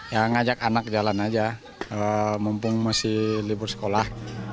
ya ngajak anak jalan aja mumpung masih libur sekolah